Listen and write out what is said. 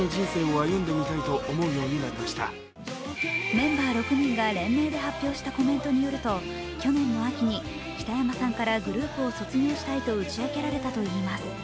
メンバー６人が連名で発表したコメントによると去年の秋に北山さんからグループを卒業したいと打ち明けられたといいます。